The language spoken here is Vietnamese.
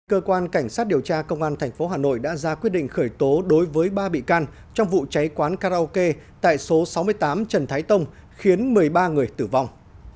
cơ quan cảnh sát điều tra công an tp hà nội đã ra quyết định khởi tố đối với ba bị can trong vụ cháy quán karaoke tại số sáu mươi tám trần thái tông khiến một mươi ba người tử vong